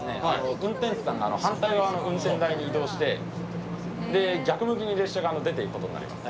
運転士さんが反対側の運転台に移動してで逆向きに列車が出ていくことになります。